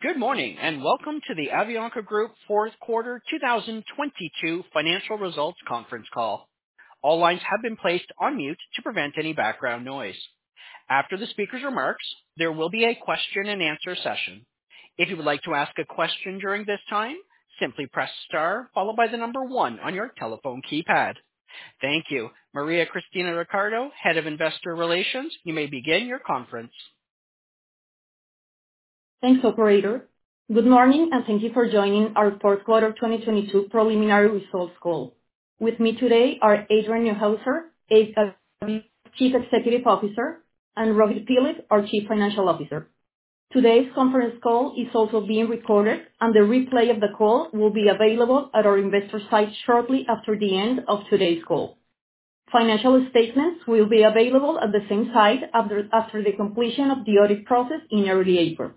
Good morning, welcome to the Avianca Group fourth quarter 2022 financial results conference call. All lines have been placed on mute to prevent any background noise. After the speaker's remarks, there will be a question-and-answer session. If you would like to ask a question during this time, simply press star followed by one on your telephone keypad. Thank you. María Cristina Ricardo, Head of Investor Relations, you may begin your conference. Thanks, operator. Good morning, and thank you for joining our fourth quarter 2022 preliminary results call. With me today are Adrian Neuhauser, Avianca's Chief Executive Officer, and Rohit Philip, our Chief Financial Officer. Today's conference call is also being recorded, and the replay of the call will be available at our investor site shortly after the end of today's call. Financial statements will be available at the same site after the completion of the audit process in early April.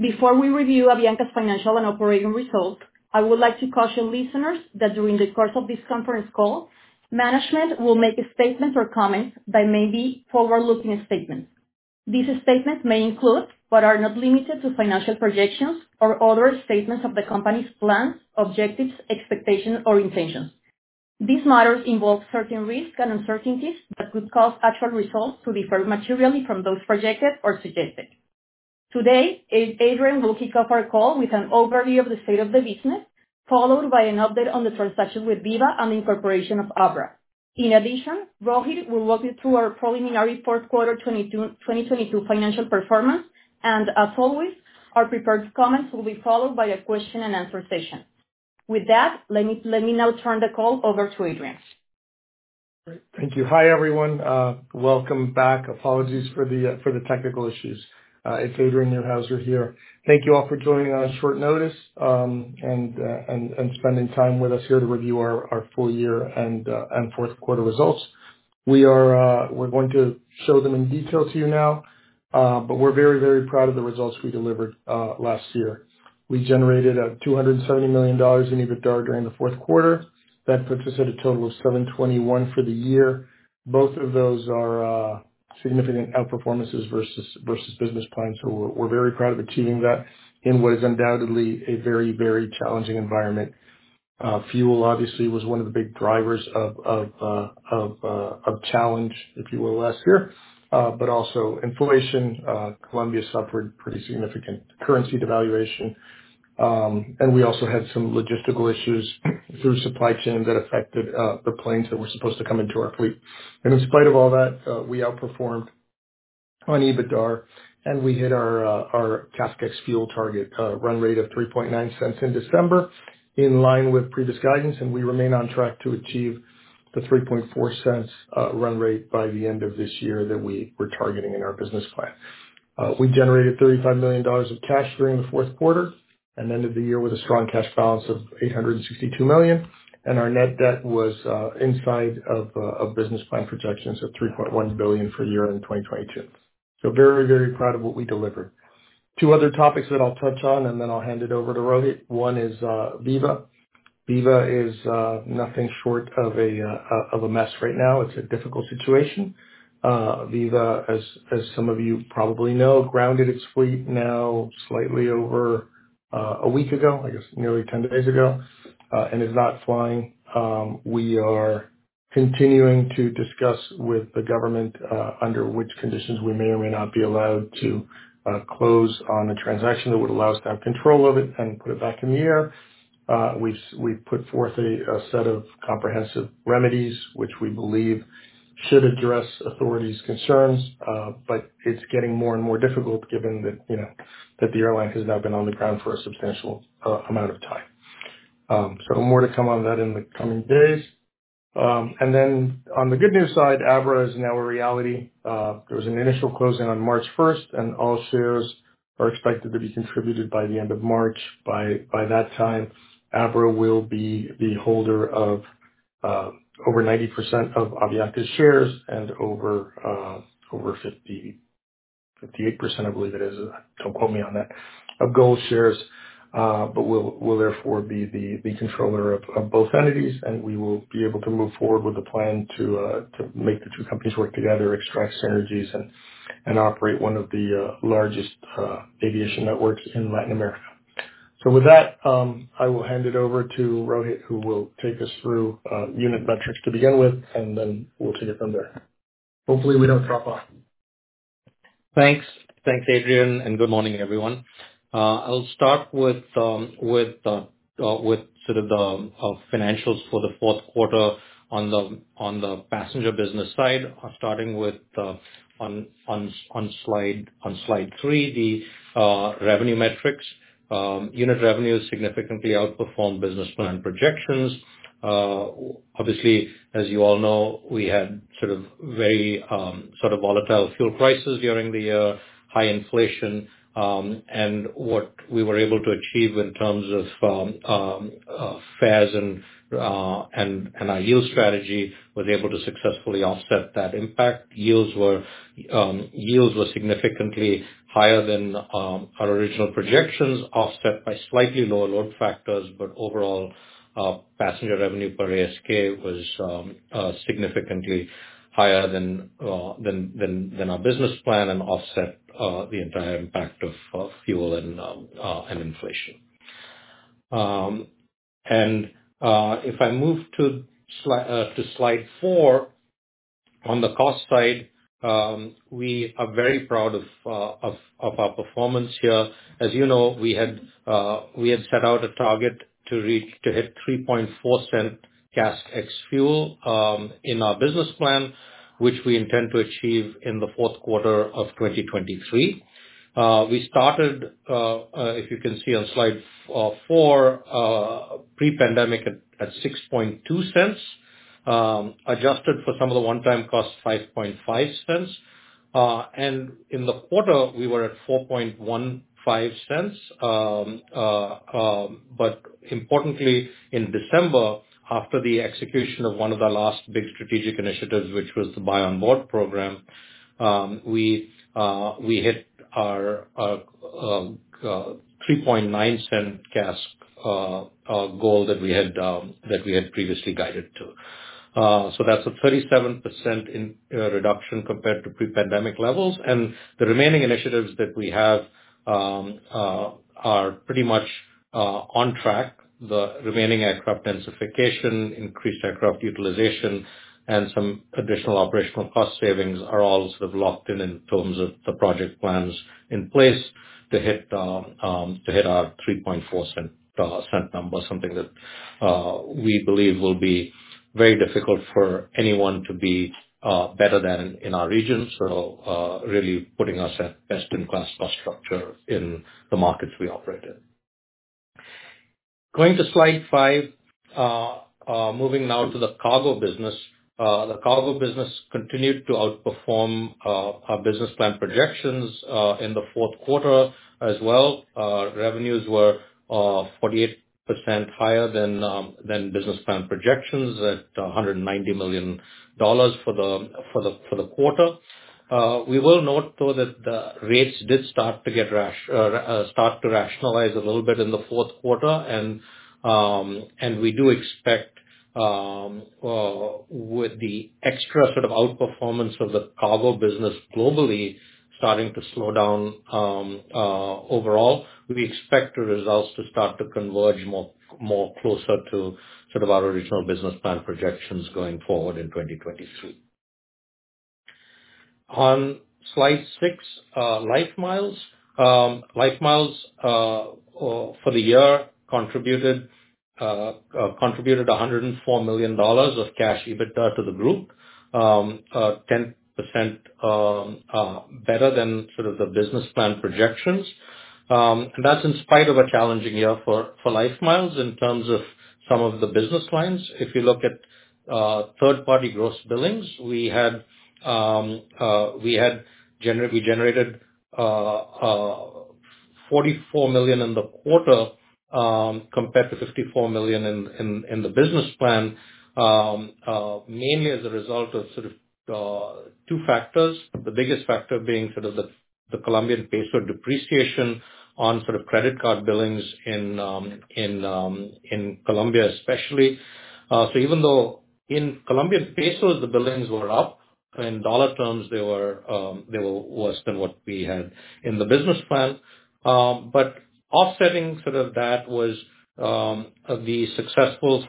Before we review Avianca's financial and operating results, I would like to caution listeners that during the course of this conference call, management will make statements or comments that may be forward-looking statements. These statements may include, but are not limited to, financial projections or other statements of the company's plans, objectives, expectations, or intentions. These matters involve certain risks and uncertainties that could cause actual results to differ materially from those projected or suggested. Today, Adrian will kick off our call with an overview of the state of the business, followed by an update on the transaction with Viva and the incorporation of ABRA. In addition, Rohit will walk you through our preliminary fourth quarter 2022 financial performance. As always, our prepared comments will be followed by a question-and-answer session. With that, let me now turn the call over to Adrian. Great. Thank you. Hi, everyone. Welcome back. Apologies for the technical issues. It's Adrian Neuhauser here. Thank you all for joining on short notice and spending time with us here to review our full year and fourth quarter results. We are going to show them in detail to you now. We're very, very proud of the results we delivered last year. We generated $270 million in EBITDA during the fourth quarter. That puts us at a total of $721 million for the year. Both of those are significant outperformances versus business plan. We're very proud of achieving that in what is undoubtedly a very, very challenging environment. Fuel obviously was one of the big drivers of challenge, if you will, last year, but also inflation. Colombia suffered pretty significant currency devaluation, and we also had some logistical issues through supply chain that affected the planes that were supposed to come into our fleet. In spite of all that, we outperformed on EBITDA, and we hit our CASK ex-fuel target run rate of $0.039 in December, in line with previous guidance, and we remain on track to achieve the $0.034 run rate by the end of this year that we were targeting in our business plan. We generated $35 million of cash during the fourth quarter and ended the year with a strong cash balance of $862 million, and our net debt was inside of business plan projections of $3.1 billion for the year-end 2022. Very, very proud of what we delivered. Two other topics that I'll touch on, and then I'll hand it over to Rohit. One is Viva. Viva is nothing short of a mess right now. It's a difficult situation. Viva, as some of you probably know, grounded its fleet now slightly over a week ago, I guess nearly 10 days ago, and is not flying. We are continuing to discuss with the government under which conditions we may or may not be allowed to close on the transaction that would allow us to have control of it and put it back in the air. We've put forth a set of comprehensive remedies, which we believe should address authorities' concerns, but it's getting more and more difficult given that, you know, that the airline has now been on the ground for a substantial amount of time. More to come on that in the coming days. On the good news side, ABRA is now a reality. There was an initial closing on March 1st, and all shares are expected to be contributed by the end of March. By that time, ABRA will be the holder of over 90% of Avianca's shares and over 58%, I believe it is, don't quote me on that, of GOL shares, will therefore be the controller of both entities, we will be able to move forward with a plan to make the two companies work together, extract synergies, and operate one of the largest aviation networks in Latin America. With that, I will hand it over to Rohit Philip, who will take us through unit metrics to begin with, then we'll take it from there. Hopefully, we don't drop off. Thanks, Adrian. Good morning, everyone. I'll start with sort of the financials for the fourth quarter on the passenger business side, starting with on slide 3, the revenue metrics. Unit revenue significantly outperformed business plan projections. Obviously, as you all know, we had sort of very volatile fuel prices during the year, high inflation, and what we were able to achieve in terms of fares and our yield strategy was able to successfully offset that impact. Yields were significantly higher than our original projections, offset by slightly lower load factors. Overall, passenger revenue per ASK was significantly higher than our business plan and offset the entire impact of fuel and inflation. If I move to slide 4. On the cost side, we are very proud of our performance here. As you know, we had set out a target to hit $0.034 CASK ex-fuel in our business plan, which we intend to achieve in the fourth quarter of 2023. We started, if you can see on slide 4, pre-pandemic at $0.062, adjusted for some of the one-time costs, $0.055. And in the quarter, we were at $0.0415. Importantly, in December, after the execution of one of our last big strategic initiatives, which was the Buy on Board program, we hit our $3.9 CASK goal that we had previously guided to. That's a 37% reduction compared to pre-pandemic levels. The remaining initiatives that we have are pretty much on track. The remaining aircraft densification, increased aircraft utilization, and some additional operational cost savings are all sort of locked in in terms of the project plans in place to hit our $3.4 number, something that we believe will be very difficult for anyone to be better than in our region. Really putting us at best in class cost structure in the markets we operate in. Going to slide 5. Moving now to the cargo business. The cargo business continued to outperform our business plan projections in the fourth quarter as well. Revenues were 48% higher than business plan projections at $190 million for the quarter. We will note though that the rates did start to rationalize a little bit in the fourth quarter. We do expect with the extra sort of outperformance of the cargo business globally starting to slow down overall. We expect the results to start to converge more closer to sort of our original business plan projections going forward in 2023. On slide 6, LifeMiles. LifeMiles for the year contributed $104 million of cash EBITDA to the group. 10% better than sort of the business plan projections. That's in spite of a challenging year for LifeMiles in terms of some of the business lines. If you look at third party gross billings, we generated $44 million in the quarter compared to $54 million in the business plan, mainly as a result of sort of two factors. The biggest factor being sort of the Colombian peso depreciation on sort of credit card billings in Colombia especially. Even though in Colombian pesos the billings were up, in dollar terms they were worse than what we had in the business plan. Offsetting that was the successful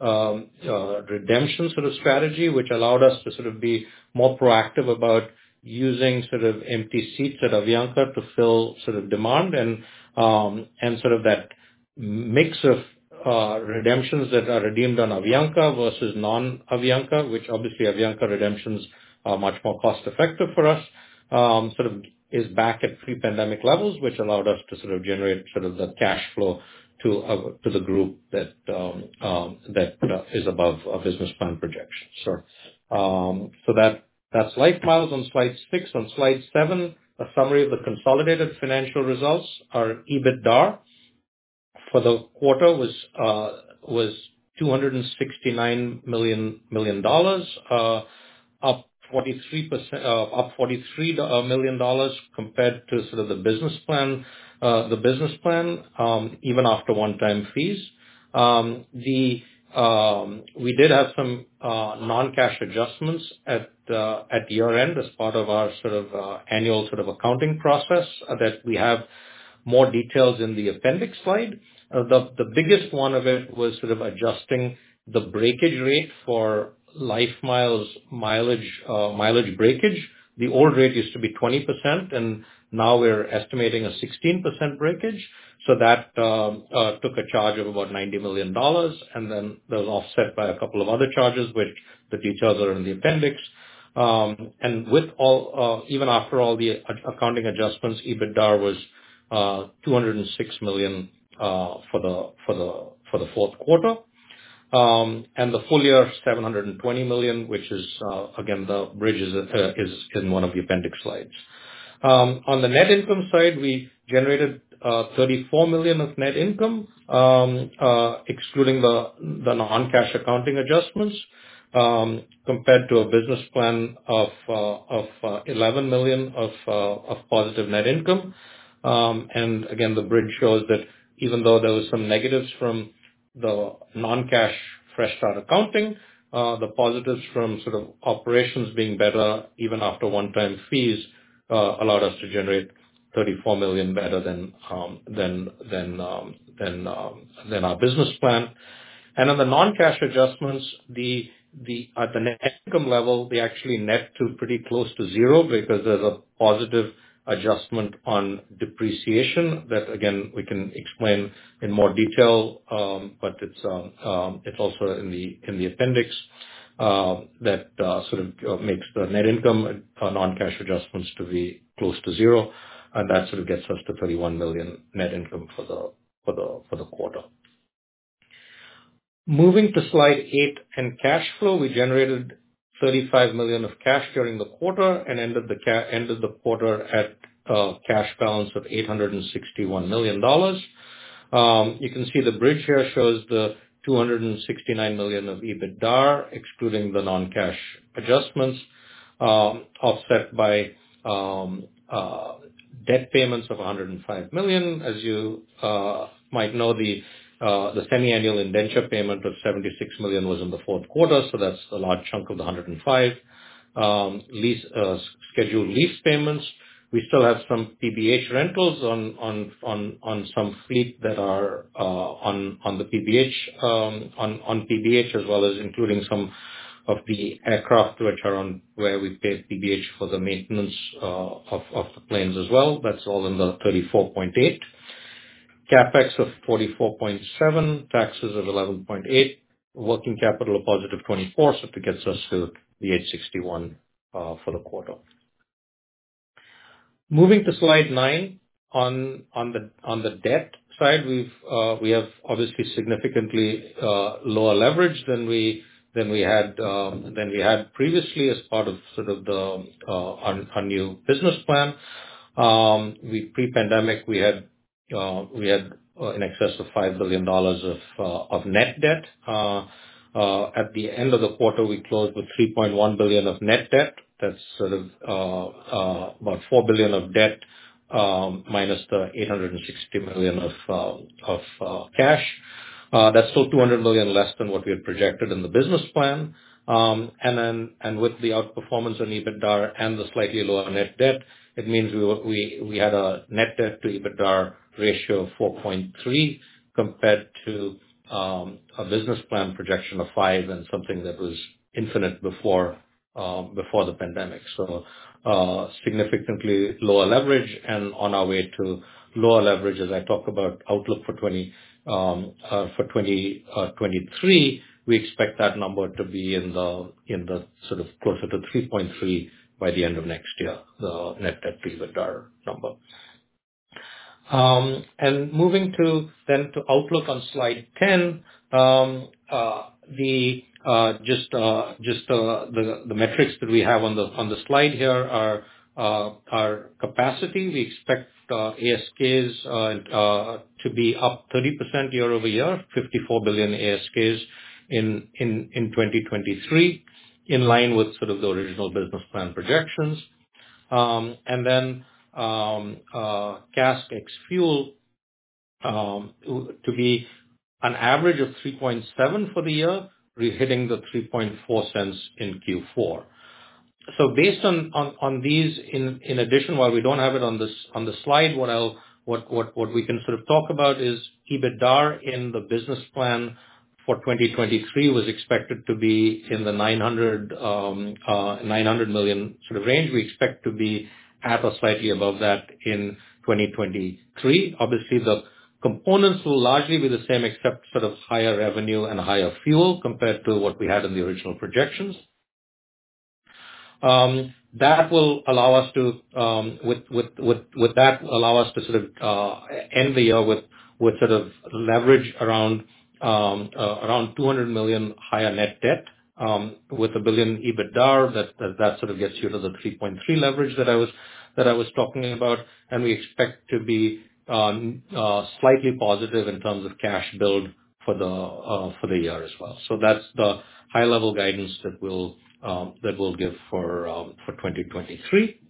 redemption strategy, which allowed us to be more proactive about using empty seats at Avianca to fill demand and that mix of redemptions that are redeemed on Avianca versus non-Avianca, which obviously Avianca redemptions are much more cost effective for us, is back at pre-pandemic levels, which allowed us to generate the cash flow to the group that is above our business plan projections. That's LifeMiles on slide 6. On slide 7, a summary of the consolidated financial results. Our EBITDAR for the quarter was $269 million, up $43 million compared to sort of the business plan, even after one-time fees. We did have some non-cash adjustments at year-end as part of our sort of annual accounting process that we have more details in the appendix slide. The biggest one of it was sort of adjusting the breakage rate for LifeMiles mileage breakage. The old rate used to be 20%, Now we're estimating a 16% breakage. That took a charge of about $90 million, and then that was offset by a couple of other charges which the details are in the appendix. With even after all the accounting adjustments, EBITDAR was $206 million for the fourth quarter. The full year, $720 million, which is again, the bridge is in one of the appendix slides. On the net income side, we generated $34 million of net income, excluding the non-cash accounting adjustments, compared to a business plan of $11 million of positive net income. Again, the bridge shows that even though there was some negatives from the non-cash fresh start accounting, the positives from sort of operations being better even after one-time fees allowed us to generate $34 million better than our business plan. On the non-cash adjustments, at the net income level, they actually net to pretty close to zero because there's a positive adjustment on depreciation that, again, we can explain in more detail, but it's also in the appendix that sort of makes the net income on non-cash adjustments to be close to zero, and that sort of gets us to $31 million net income for the quarter. Moving to slide 8 and cash flow. We generated $35 million of cash during the quarter and ended the quarter at a cash balance of $861 million. You can see the bridge here shows the $269 million of EBITDAR, excluding the non-cash adjustments, offset by debt payments of $105 million. As you might know, the semi-annual indenture payment of $76 million was in the fourth quarter. That's a large chunk of the $105. Lease scheduled lease payments. We still have some PBH rentals on some fleet that are on the PBH as well as including some of the aircraft which are on where we pay PBH for the maintenance of the planes as well. That's all in the $34.8. CapEx of $44.7. Taxes of $11.8. Working capital of positive $24. It gets us to the $861 for the quarter. Moving to slide 9. On the debt side, we have obviously significantly lower leverage than we had previously as part of sort of the our new business plan. Pre-pandemic, we had in excess of $5 billion of net debt. At the end of the quarter, we closed with $3.1 billion of net debt. That's sort of about $4 billion of debt minus the $860 million of cash. That's still $200 million less than what we had projected in the business plan. With the outperformance on EBITDAR and the slightly lower net debt, it means we had a net debt to EBITDAR ratio of 4.3 compared to a business plan projection of 5 and something that was infinite before the pandemic. Significantly lower leverage and on our way to lower leverage. As I talk about outlook for 2023, we expect that number to be in the sort of closer to 3.3 by the end of next year, the net debt to EBITDAR number. Moving to outlook on slide 10. The metrics that we have on the slide here are capacity. We expect ASKs to be up 30% year-over-year, 54 billion ASKs in 2023, in line with sort of the original business plan projections. CASK ex-fuel to be an average of $0.037 for the year. We're hitting the $0.034 in Q4. Based on these in addition, while we don't have it on the slide, what we can sort of talk about is EBITDAR in the business plan for 2023 was expected to be in the $900 million sort of range. We expect to be at or slightly above that in 2023. Obviously, the components will largely be the same except sort of higher revenue and higher fuel compared to what we had in the original projections. That will allow us to, with that allow us to sort of end the year with sort of leverage around $200 million higher net debt, with a $1 billion EBITDAR. That sort of gets you to the 3.3 leverage that I was talking about. We expect to be slightly positive in terms of cash build for the year as well. That's the high level guidance that we'll give for 2023.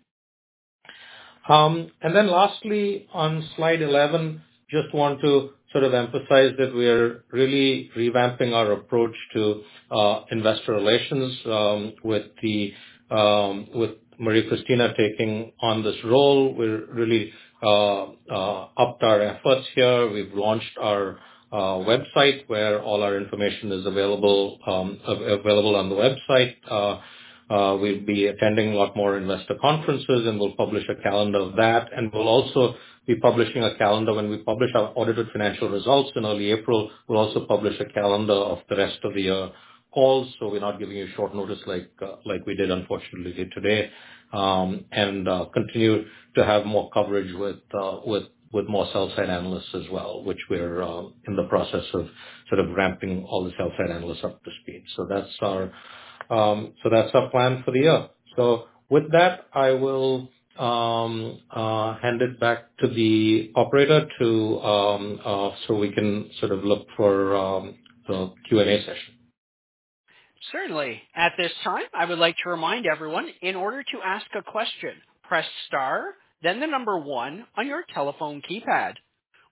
Lastly, on slide 11, just want to sort of emphasize that we are really revamping our approach to investor relations with Maria Cristina taking on this role. We're really upped our efforts here. We've launched our website where all our information is available on the website. We'll be attending a lot more investor conferences, and we'll publish a calendar of that. We'll also be publishing a calendar when we publish our audited financial results in early April. We'll also publish a calendar of the rest of the year calls, so we're not giving you short notice like we did, unfortunately today. Continue to have more coverage with more sell side analysts as well, which we're in the process of sort of ramping all the sell side analysts up to speed. That's our plan for the year. With that, I will hand it back to the operator so we can sort of look for the Q&A session. Certainly. At this time, I would like to remind everyone in order to ask a question, press star, then the number one on your telephone keypad.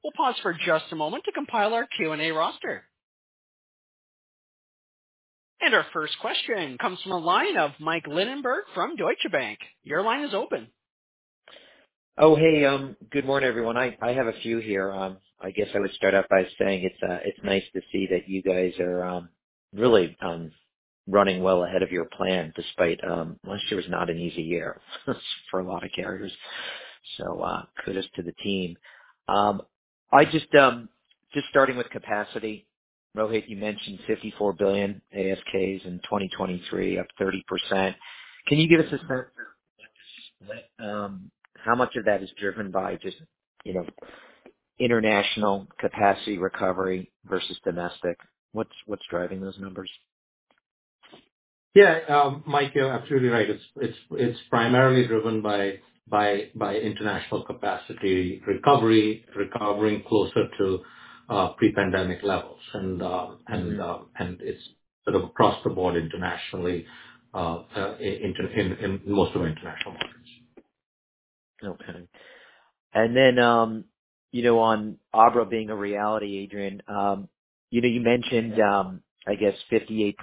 We'll pause for just a moment to compile our Q&A roster. Our first question comes from the line of Michael Linenberg from Deutsche Bank. Your line is open. Hey. Good morning, everyone. I have a few here. I guess I would start out by saying it's nice to see that you guys are really running well ahead of your plan despite last year was not an easy year for a lot of carriers. Kudos to the team. Just starting with capacity. Rohit, you mentioned 54 billion ASKs in 2023, up 30%. Can you give us a sense how much of that is driven by just, you know, international capacity recovery versus domestic? What's driving those numbers? Yeah. Mike, you're absolutely right. It's primarily driven by international capacity recovering closer to pre-pandemic levels. It's sort of across the board internationally in most of our international markets. Okay. You know, on ABRA being a reality, Adrian, you know, you mentioned, I guess 58%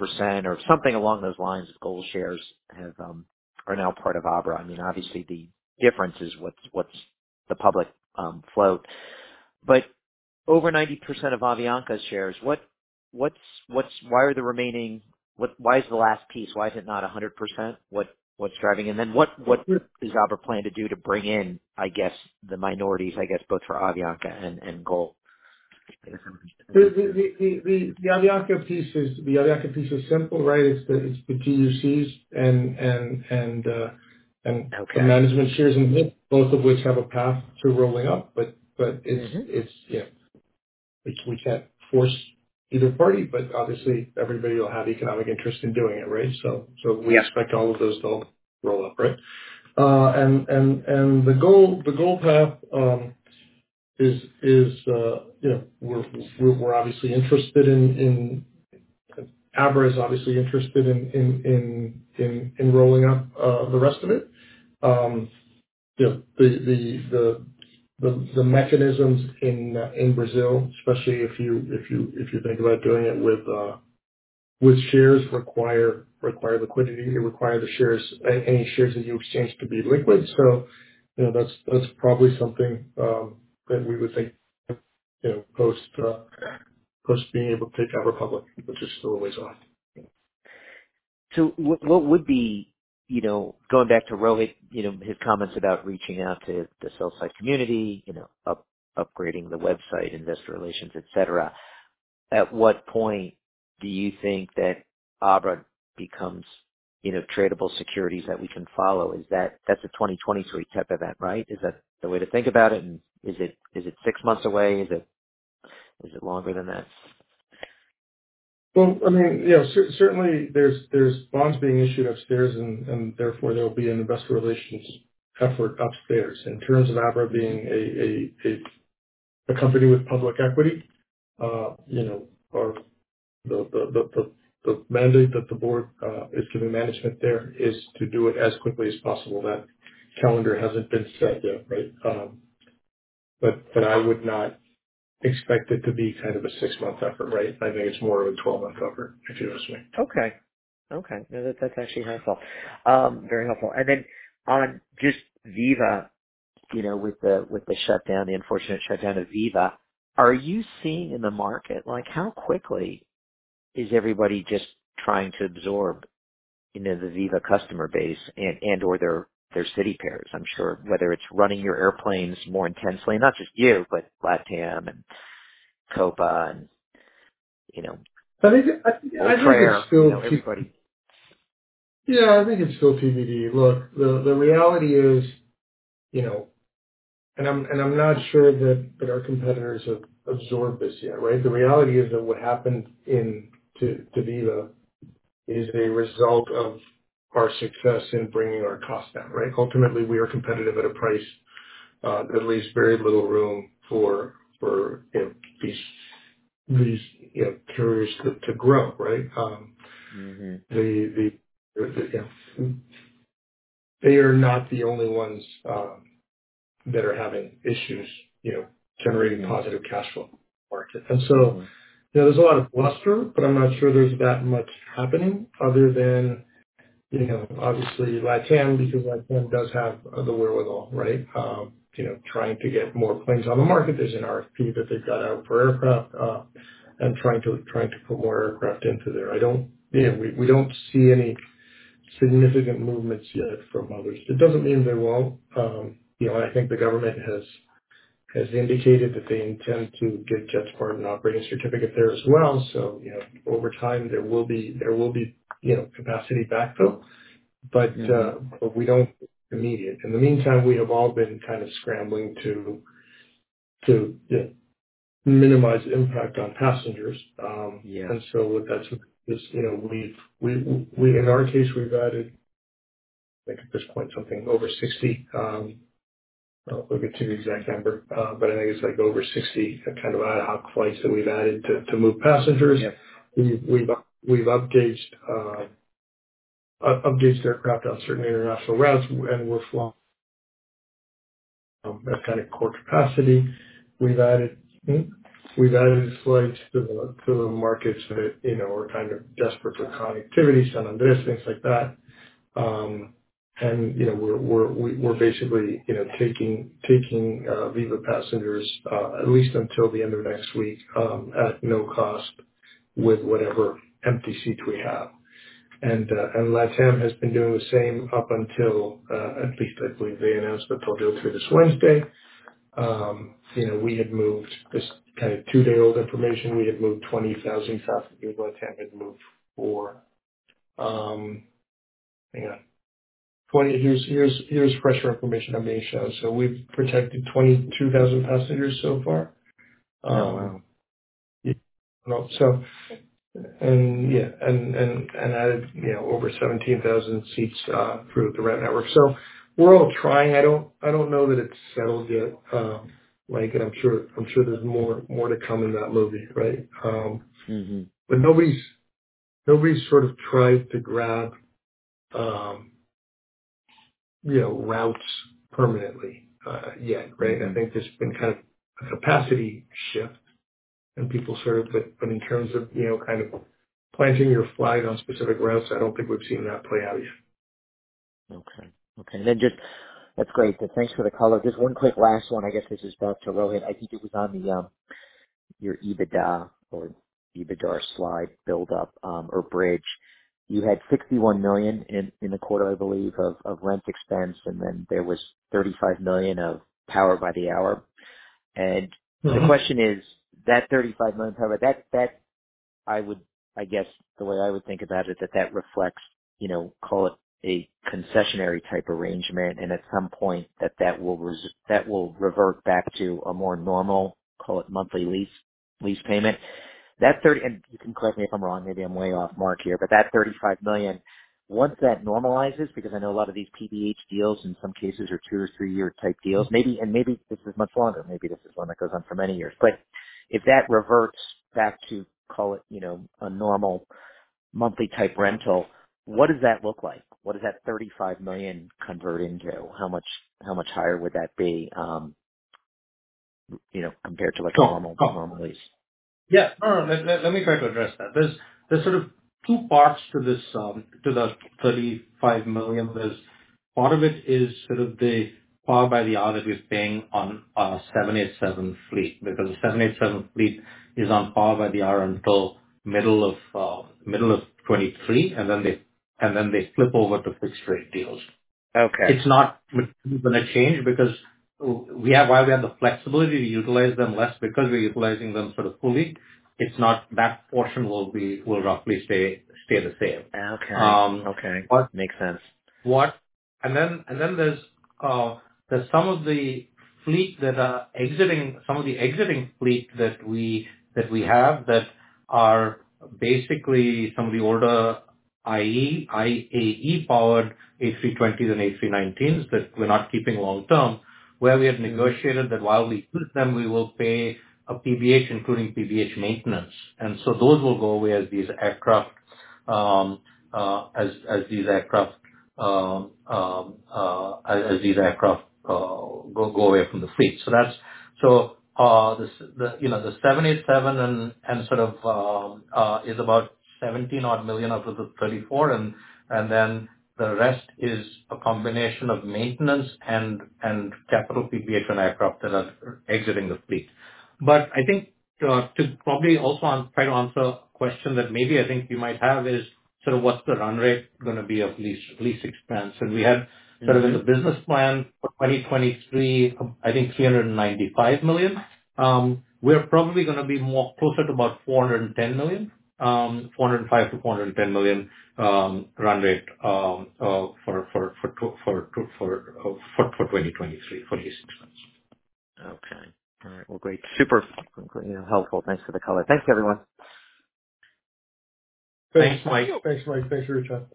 or something along those lines of GOL shares have are now part of ABRA. I mean, obviously the difference is what's the public float. Over 90% of Avianca shares, what's? Why is the last piece, why is it not 100%? What's driving? Then what does ABRA plan to do to bring in, I guess, the minorities, I guess, both for Avianca and GOL? The Avianca piece is simple, right? It's the GUCs and. Okay. the management shares in LifeMiles, both of which have a path to rolling up. it's- Mm-hmm. It's. Yeah. Which we can't force either party, but obviously everybody will have economic interest in doing it, right? Yeah. hose to roll up, right? The GOL path is, you know, we're obviously interested in, ABRA is obviously interested in rolling up the rest of it. You know, the mechanisms in Brazil, especially if you think about doing it with shares, require liquidity. They require the shares, any shares that you exchange, to be liquid. So, you know, that's probably something that we would think, you know, post being able to take ABRA public, which is still a ways off. What would be, you know, going back to Rohit, you know, his comments about reaching out to the sell side community, you know, upgrading the website, investor relations, et cetera. At what point do you think that ABRA becomes, you know, tradable securities that we can follow? Is that a 2023 type event, right? Is that the way to think about it, and is it 6 months away? Is it longer than that? Well, I mean, you know, certainly there's bonds being issued upstairs and therefore there will be an investor relations effort upstairs. In terms of ABRA being a company with public equity, you know, or the mandate that the board is giving management there is to do it as quickly as possible. That calendar hasn't been set yet, right? But I would not expect it to be kind of a 6-month effort, right? I think it's more of a 12-month effort, if you ask me. Okay. Okay. No, that's actually helpful. Very helpful. Then on just Viva, you know, with the shutdown, the unfortunate shutdown of Viva. Are you seeing in the market, like how quickly is everybody just trying to absorb, you know, the Viva customer base and/or their city pairs? I'm sure whether it's running your airplanes more intensely, not just you, but LATAM and Copa and, you know. I think it- Volaris, you know, everybody. Yeah, I think it's still TBD. Look, the reality is, you know, and I'm not sure that our competitors have absorbed this yet, right? The reality is that what happened to Viva Air is a result of our success in bringing our cost down, right? Ultimately, we are competitive at a price that leaves very little room for, you know, these, you know, carriers to grow, right? Mm-hmm. You know, they are not the only ones that are having issues, you know, generating positive cash flow in the market. You know, there's a lot of bluster, but I'm not sure there's that much happening other than, you know, obviously LATAM, because LATAM does have the wherewithal, right? You know, trying to get more planes on the market. There's an RFP that they've got out for aircraft and trying to put more aircraft into there. You know, we don't see any significant movements yet from others. It doesn't mean there won't. You know, I think the government has indicated that they intend to give JetSMART an operating certificate there as well. You know, over time, there will be, you know, capacity backfill. Mm-hmm. In the meantime, we have all been kind of scrambling to minimize impact on passengers. Yeah. That's, you know, in our case, we've added, I think at this point, something over 60, I don't know the exact number, but I think it's like over 60 kind of ad hoc flights that we've added to move passengers. Yeah. We've upgauged aircraft on certain international routes. That's kind of core capacity. We've added flights to the markets that, you know, are kind of desperate for connectivity, San Andrés, things like that. You know, we're basically, you know, taking Viva passengers at least until the end of next week at no cost with whatever empty seat we have. LATAM has been doing the same up until at least, I believe they announced that they'll build through this Wednesday. You know, we had moved. This is kind of 2-day-old information, we had moved 20,000 passengers, LATAM had moved 4. Hang on. Here's fresher information I'm being showed. We've protected 22,000 passengers so far. Oh, wow. No. And added, you know, over 17,000 seats through the route network. We're all trying. I don't know that it's settled yet, Mike, and I'm sure there's more to come in that movie, right? Mm-hmm. nobody's sort of tried to grab, you know, routes permanently, yet, right? Mm-hmm. I think there's been kind of a capacity shift and people. In terms of, you know, kind of planting your flag on specific routes, I don't think we've seen that play out yet. Okay. Okay. That's great. Thanks for the color. Just one quick last one, I guess this is back to Rohit. I think it was on your EBITDA or EBITDAR slide build up or bridge. You had $61 million in the quarter, I believe, of rent expense, and then there was $35 million of Power by the Hour. Mm-hmm. The question is, that $35 million power, that I would... I guess the way I would think about it, that reflects, you know, call it a concessionary type arrangement, and at some point that will revert back to a more normal, call it monthly lease payment. You can correct me if I'm wrong, maybe I'm way off mark here, but that $35 million, once that normalizes, because I know a lot of these PBH deals in some cases are two or three-year type deals. Mm-hmm. Maybe this is much longer, maybe this is one that goes on for many years. If that reverts back to, call it, you know, a normal monthly type rental, what does that look like? What does that $35 million convert into? How much higher would that be, you know, compared to like a normal. Sure. A normal lease? No, no. Let me try to address that. There's sort of two parts to this to the $35 million. Part of it is sort of the Power by the Hour that we're paying on our 787 fleet. The 787 fleet is on Power by the Hour until middle of middle of 2023, and then they flip over to fixed rate deals. Okay. It's not gonna change because while we have the flexibility to utilize them less because we're utilizing them sort of fully, it's not. That portion will be, will roughly stay the same. Okay. Um. Okay. But- Makes sense. Then there's some of the fleet that are exiting, some of the exiting fleet that we have that are basically some of the older IAE-powered A320s and A319s that we're not keeping long term, where we have negotiated that while we equip them, we will pay a PBH including PBH maintenance. Those will go away as these aircraft go away from the fleet. That's. The, you know, the 787 and sort of is about $17 odd million out of the 34, and then the rest is a combination of maintenance and capital PBH on aircraft that are exiting the fleet. I think to probably also try to answer a question that maybe I think you might have is sort of what's the run rate gonna be of lease expense. Mm-hmm. Sort of in the business plan for 2023, I think $395 million. We're probably gonna be more closer to about $410 million. $405 million-$410 million run rate for 2023 for lease expense. Okay. All right. Well, great. Super, you know, helpful. Thanks for the color. Thanks, everyone. Thanks, Mike. Thanks, Mike. Thanks, Adrian.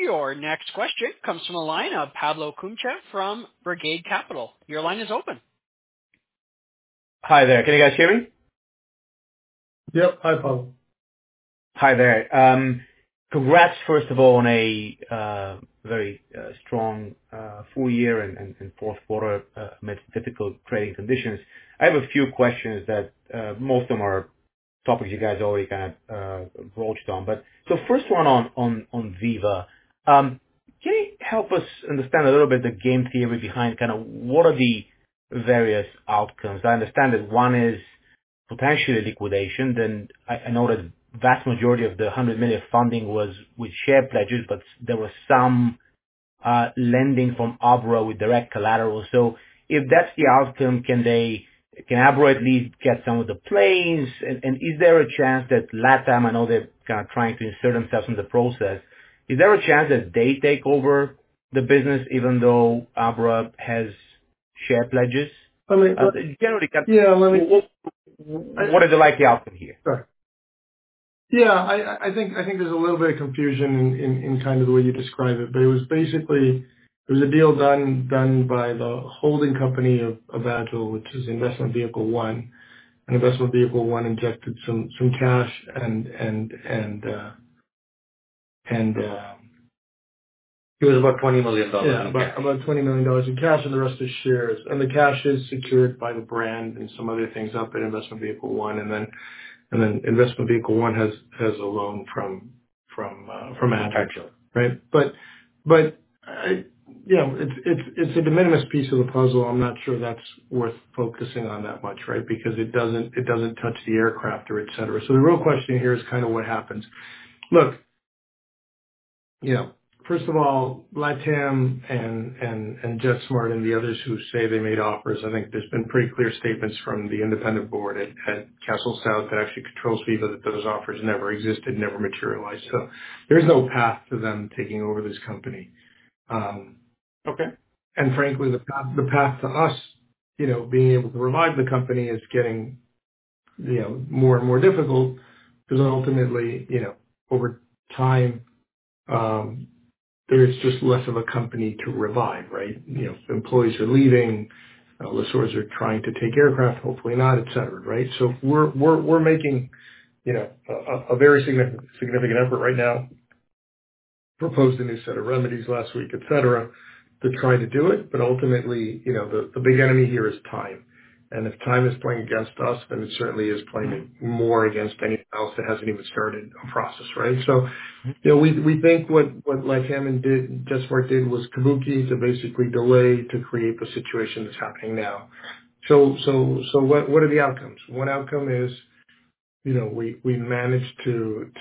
Your next question comes from the line of Pablo O'Kenniff from Brigade Capital Management. Your line is open. Hi there. Can you guys hear me? Yep. Hi, Pablo. Hi there. Congrats, first of all, on a very strong full year and fourth quarter amid difficult trading conditions. I have a few questions that most of them are topics you guys already kind of broached on. First one on Viva. Can you help us understand a little bit the game theory behind kinda what are the various outcomes? I understand that one is potentially liquidation. I know that vast majority of the $100 million funding was with share pledges, but there was some lending from Abra with direct collateral. If that's the outcome, can Abra at least get some of the planes? Is there a chance that LATAM, I know they're kinda trying to insert themselves in the process. Is there a chance that they take over the business even though Abra has share pledges? I mean- Generally. Yeah, let me. What is the likely outcome here? Sorry. I think there's a little bit of confusion in kind of the way you describe it. It was basically, it was a deal done by the holding company of Abra Group, which is investment vehicle one. Investment vehicle one injected some cash and. And, uh... It was about $20 million. Yeah. About $20 million in cash, the rest is shares. The cash is secured by the brand and some other things up at investment vehicle one. Investment vehicle one has a loan from Anacapa. Right? You know, it's a de minimis piece of the puzzle. I'm not sure that's worth focusing on that much, right? Because it doesn't touch the aircraft or et cetera. The real question here is kind of what happens. Look, you know, first of all, LATAM and JetSMART and the others who say they made offers, I think there's been pretty clear statements from the independent board at Castlelake that actually controls people, that those offers never existed, never materialized. There's no path to them taking over this company. Okay. Frankly, the path to us, you know, being able to revive the company is getting, you know, more and more difficult because ultimately, you know, over time, there is just less of a company to revive, right? You know, employees are leaving. Lessors are trying to take aircraft, hopefully not, et cetera. Right? We're making, you know, a very significant effort right now. Proposed a new set of remedies last week, et cetera, to try to do it. Ultimately, you know, the big enemy here is time. If time is playing against us, then it certainly is playing more against anything else that hasn't even started a process, right? You know, we think what LATAM and JetSMART did was kabuki to basically delay to create the situation that's happening now. What are the outcomes? One outcome is, you know, we managed to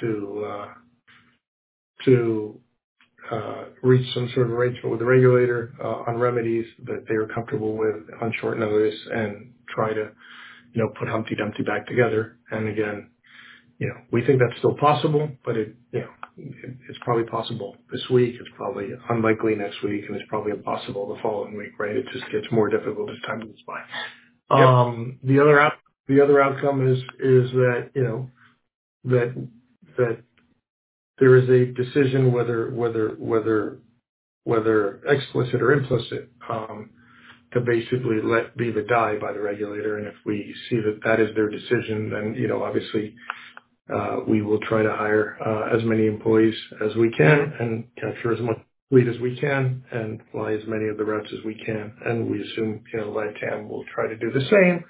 reach some sort of arrangement with the regulator on remedies that they were comfortable with on short notice and try to, you know, put Humpty Dumpty back together. Again, you know, we think that's still possible, but it, you know, it's probably possible this week. It's probably unlikely next week. It is probably impossible the following week, right? It just gets more difficult as time goes by. The other outcome is that, you know, there is a decision whether explicit or implicit to basically let Viva die by the regulator. If we see that that is their decision, then, you know, obviously, we will try to hire as many employees as we can and capture as much fleet as we can and fly as many of the routes as we can. We assume, you know, LATAM will try to do the same.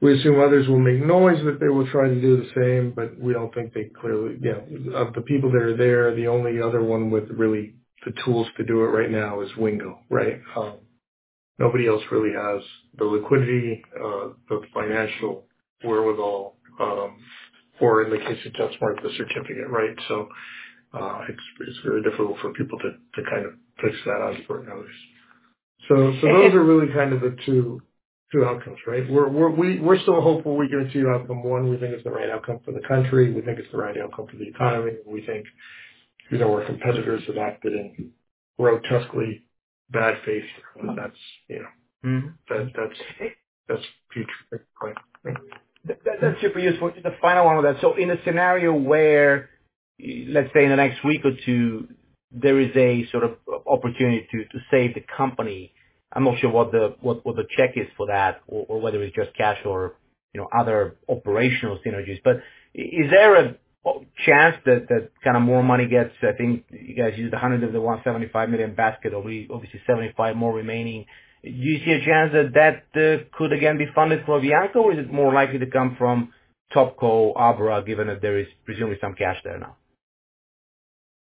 We assume others will make noise that they will try to do the same. We don't think they. You know, of the people that are there, the only other one with really the tools to do it right now is Wingo, right? Nobody else really has the liquidity, the financial wherewithal, or in the case of JetSMART, the certificate, right? It's very difficult for people to kind of fix that on short notice. Those are really kind of the two outcomes, right? We're still hopeful we get to outcome 1. We think it's the right outcome for the country. We think it's the right outcome for the economy. We think, you know, our competitors have acted in grotesquely bad faith. That's, you know. Mm-hmm. That, that's Pete's point. Right. That's super useful. The final one with that. In a scenario where, let's say in the next week or two, there is a sort of opportunity to save the company. I'm not sure what the check is for that or whether it's just cash or, you know, other operational synergies. But is there a chance that kind of more money gets... I think you guys used $100 of the $175 million basket, obviously $75 more remaining. Do you see a chance that could again be funded for Avianca, or is it more likely to come from TopCo Abra, given that there is presumably some cash there now?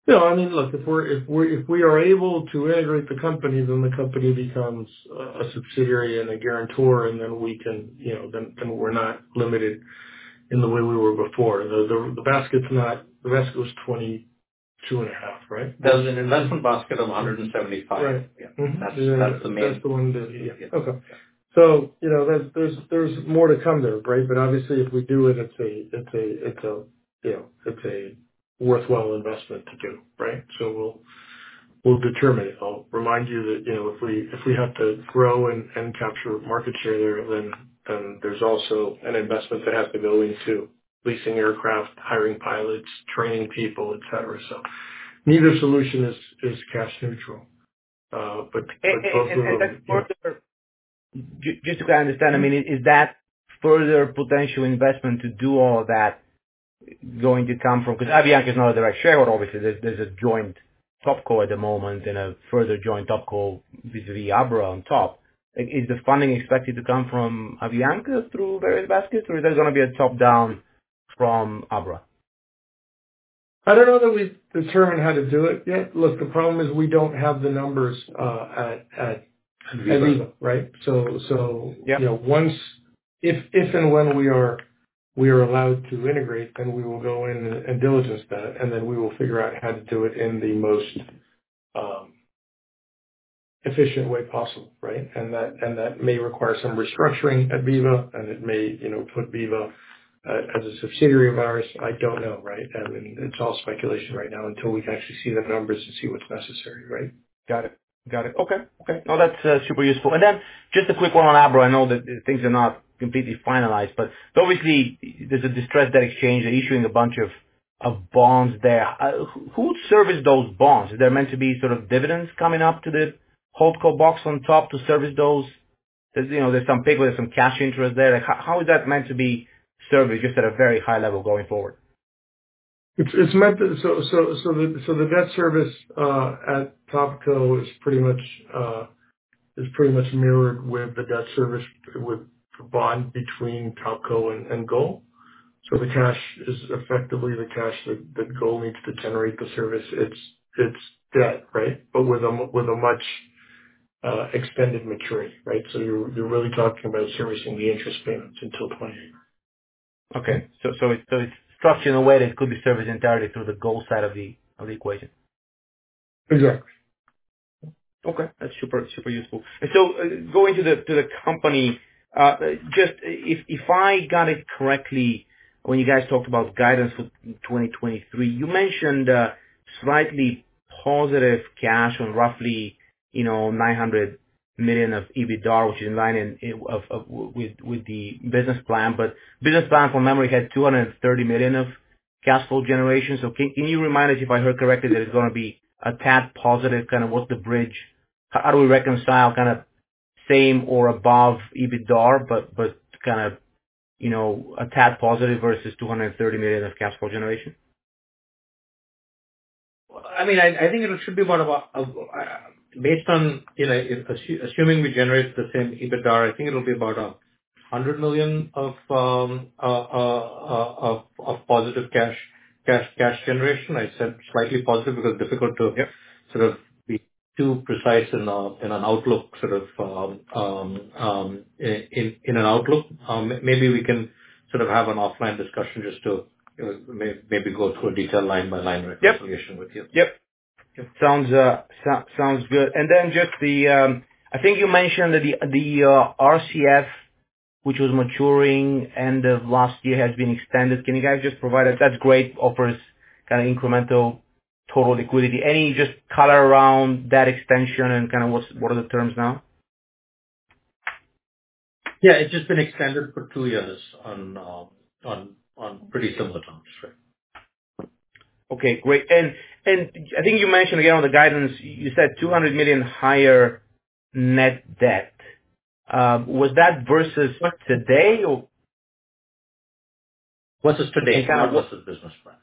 Yeah. I mean, look, if we are able to integrate the company, then the company becomes a subsidiary and a guarantor, and then we can, you know, then we're not limited in the way we were before. The basket's not... The basket was 22.5, right? There was an investment basket of $175. Right. Yeah. Mm-hmm. That's the main- That's the one that. Yeah. Okay. You know, there's more to come there, right? Obviously, if we do it's a, you know, it's a worthwhile investment to do, right? We'll determine. I'll remind you that, you know, if we have to grow and capture market share there, then there's also an investment that has to go into leasing aircraft, hiring pilots, training people, et cetera. Neither solution is cash neutral, but both of those- Further. Just so I understand. I mean, is that further potential investment to do all of that going to come from? Avianca is not a direct shareholder obviously. There's a joint Topco at the moment and a further joint Topco vis-a-vis Abra on top. Is the funding expected to come from Avianca through various baskets, or is there gonna be a top-down from Abra? I don't know that we've determined how to do it yet. Look, the problem is we don't have the numbers. At Viva. -at Viva. Right? Yeah. you know, once, if and when we are allowed to integrate, we will go in and diligence that, we will figure out how to do it in the most efficient way possible. Right? That may require some restructuring at Viva, it may, you know, put Viva as a subsidiary of ours. I don't know. Right? I mean, it's all speculation right now until we can actually see the numbers to see what's necessary. Right? Got it. Okay. No, that's super useful. Then just a quick one on Abra. I know that things are not completely finalized, but obviously there's a distressed debt exchange. They're issuing a bunch of bonds there. Who would service those bonds? Is there meant to be sort of dividends coming up to the holdco box on top to service those. You know, there's some pay with some cash interest there. Like how is that meant to be serviced, just at a very high level going forward? It's meant to. The debt service at TopCo is pretty much mirrored with the debt service with the bond between TopCo and GOL. The cash is effectively the cash that GOL needs to generate the service its debt, right? With a much extended maturity, right? You're really talking about servicing the interest payments until 2028. Okay. it's structured in a way that it could be serviced entirely through the GOL side of the equation. Exactly. Okay. That's super useful. Going to the company, just if I got it correctly, when you guys talked about guidance for 2023, you mentioned slightly positive cash on roughly, you know, $900 million of EBITDAR, which is in line in of with the business plan. Business plan from memory had $230 million of cash flow generation. Can you remind us if I heard correctly, that it's going to be a tad positive? How do we reconcile kind of same or above EBITDAR but kind of, you know, a tad positive versus $230 million of cash flow generation? I mean, I think it should be more of a. Based on, you know, assuming we generate the same EBITDAR, I think it'll be about $100 million of positive cash generation. I said slightly positive because it's difficult to sort of be too precise in an outlook sort of, in an outlook. Maybe we can sort of have an offline discussion just to maybe go through detail line by line reconciliation with you. Yep. Sounds good. Just the, I think you mentioned that the RCF which was maturing end of last year has been extended. That's great, offers kind of incremental total liquidity. Can you guys just provide us any just color around that extension and kind of what's, what are the terms now? Yeah, it's just been extended for 2 years on pretty similar terms. Okay, great. I think you mentioned again on the guidance, you said $200 million higher net debt. Was that versus what, today or? Versus today. Versus business plan.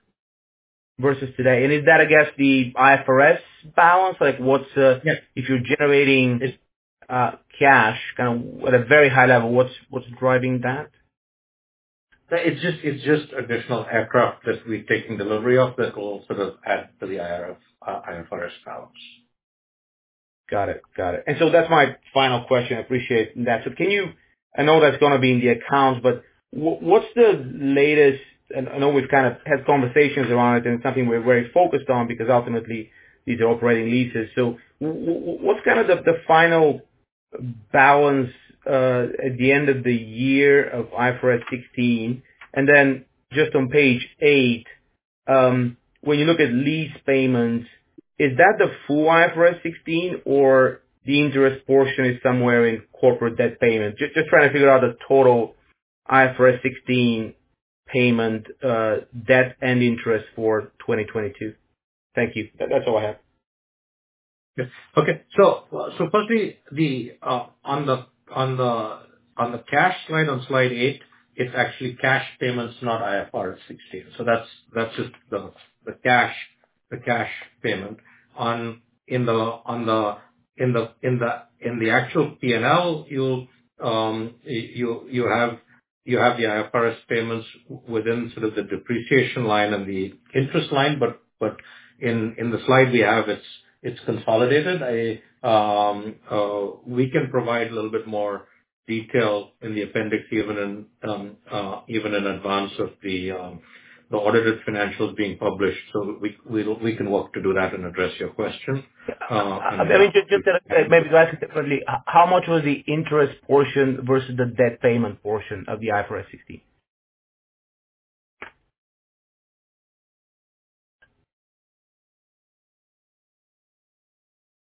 Versus today. Is that, I guess, the IFRS balance? Like what's? Yes. If you're generating, cash kind of at a very high level, what's driving that? It's just additional aircraft that we're taking delivery of that will sort of add to the IFRS balance. Got it. Got it. That's my final question. I appreciate that. I know that's gonna be in the accounts, but what's the latest. I know we've kind of had conversations around it and it's something we're very focused on because ultimately these are operating leases. What's kind of the final balance at the end of the year of IFRS 16? Just on page eight, when you look at lease payments, is that the full IFRS 16 or the interest portion is somewhere in corporate debt payments? Just trying to figure out the total IFRS 16 payment, debt and interest for 2022. Thank you. That's all I have. Okay. Firstly on the cash slide on slide 8, it's actually cash payments, not IFRS 16. That's just the cash payment. In the actual P&L, you'll have the IFRS payments within sort of the depreciation line and the interest line. In the slide we have, it's consolidated. We can provide a little bit more detail in the appendix, even in advance of the audited financials being published. We can work to do that and address your question in that. Let me just maybe ask it differently. How much was the interest portion versus the debt payment portion of the IFRS 16?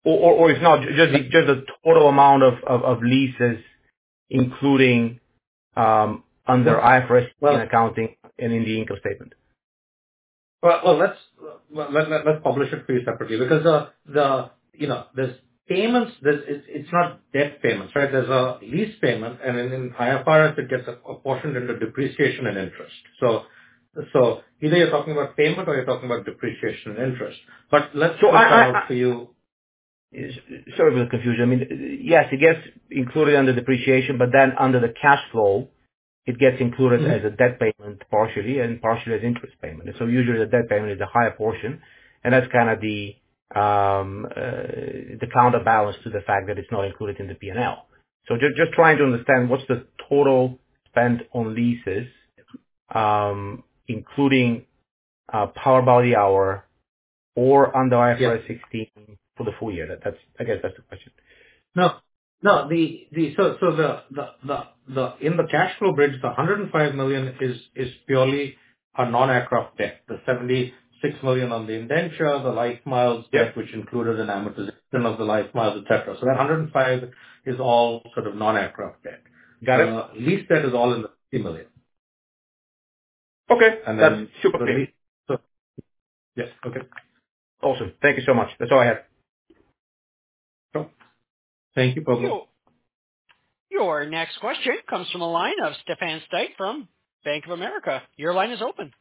If not, just the total amount of leases including, under IFRS in accounting and in the income statement. Well, let's publish it for you separately because, you know, there's payments, there's it's not debt payments, right? There's a lease payment and then in IFRS it gets a portion into depreciation and interest. Either you're talking about payment or you're talking about depreciation and interest. Let's work it out for you. Sorry for the confusion. I mean, yes, it gets included under depreciation, but then under the cash flow it gets included. Mm-hmm. as a debt payment partially and partially as interest payment. Usually the debt payment is the higher portion. That's kind of the counterbalance to the fact that it's not included in the P&L. Just trying to understand what's the total spend on leases, including Power by the Hour or under IFRS 16 for the full year. That's, I guess, that's the question. No. No. The, so the in the cash flow bridge, the $105 million is purely a non-aircraft debt. The $76 million on the indenture, the LifeMiles debt, which included an amortization of the LifeMiles, et cetera. That $105 is all sort of non-aircraft debt. Got it. Lease debt is all in the $50 million. Okay. That's super clear. And then- Yes. Okay. Awesome. Thank you so much. That's all I have. Thank you. Welcome. Your next question comes from the line of Stephen Trent from Bank of America. Your line is open.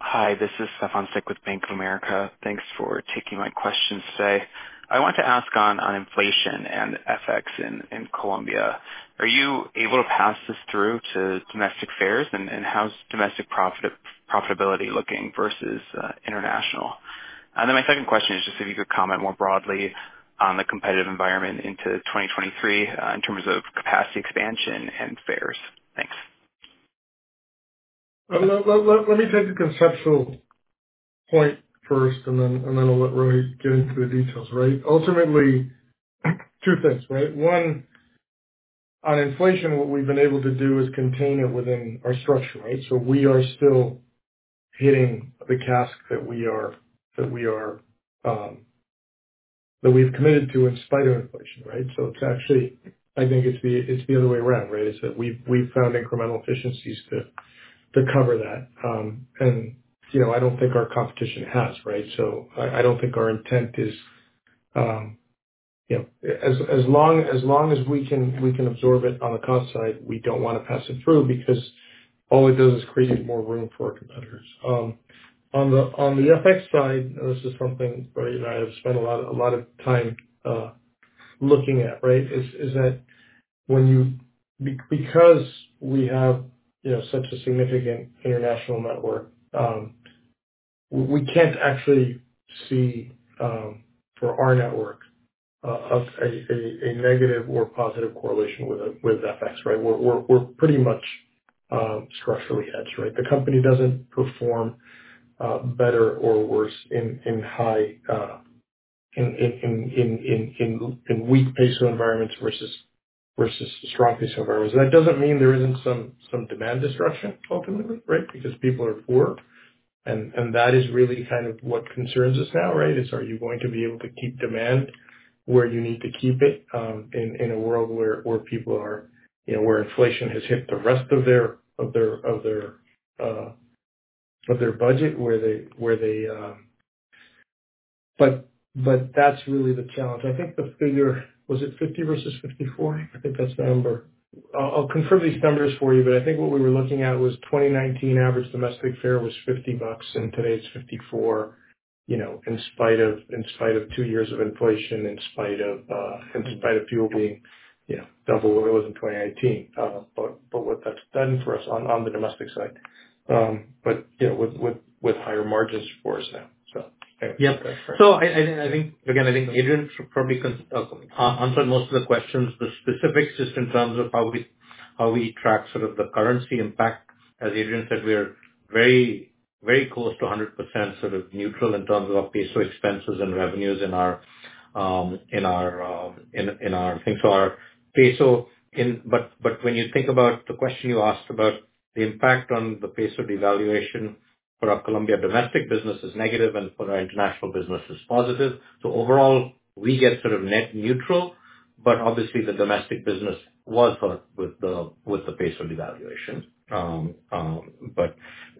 Hi, this is Stephen Trent with Bank of America. Thanks for taking my question today. I want to ask on inflation and FX in Colombia. Are you able to pass this through to domestic fares? How's domestic profitability looking versus international? My second question is just if you could comment more broadly on the competitive environment into 2023 in terms of capacity expansion and fares. Thanks. Let me take the conceptual point first and then I'll let Rohit get into the details. Right? Ultimately, two things, right? One, on inflation, what we've been able to do is contain it within our structure, right? We are still hitting the CASK that we are, that we've committed to in spite of inflation, right? It's actually I think it's the other way around, right? Is that we've found incremental efficiencies to cover that. You know, I don't think our competition has, right? I don't think our intent is, you know, as long as we can absorb it on the cost side, we don't wanna pass it through because all it does is create more room for our competitors. On the FX side, this is something Rohit and I have spent a lot of time looking at, right? That when you because we have, you know, such a significant international network, we can't actually see for our network a negative or positive correlation with FX, right? We're pretty much structurally hedged, right? The company doesn't perform better or worse in high weak peso environments versus strong peso environments. That doesn't mean there isn't some demand destruction ultimately, right? Because people are poor. That is really kind of what concerns us now, right? Are you going to be able to keep demand where you need to keep it, in a world where people are, you know, where inflation has hit the rest of their budget where they... That's really the challenge. I think the figure, was it 50 versus 54? I think that's the number. I'll confirm these numbers for you, but I think what we were looking at was 2019 average domestic fare was $50, and today it's $54, you know, in spite of 2 years of inflation, in spite of fuel being, you know, double what it was in 2019. What that's done for us on the domestic side, but, you know, with higher margins for us now. Yeah. I think, again, I think Adrian should probably answer most of the questions. The specifics just in terms of how we track sort of the currency impact. As Adrian said, we are very close to 100% sort of neutral in terms of peso expenses and revenues in our. When you think about the question you asked about the impact on the peso devaluation for our Colombia domestic business is negative and for our international business is positive. Overall, we get sort of net neutral, but obviously the domestic business was hurt with the peso devaluation.